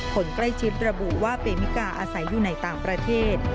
คนใกล้ชิดระบุว่าเปมิกาอาศัยอยู่ในต่างประเทศ